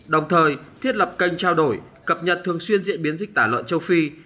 đồng thời thiết lập kênh trao đổi cập nhật thường xuyên diễn biến dịch tả lợn châu phi